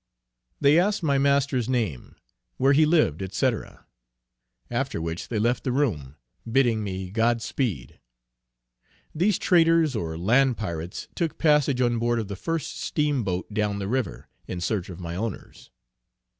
They asked my master's name; where he lived, &c. After which they left the room, bidding me God speed. These traitors, or land pirates, took passage on board of the first Steamboat down the river, in search of my owners.